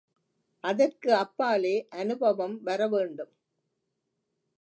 அதற்கு அப்பாலே அநுபவம் வரவேண்டும்.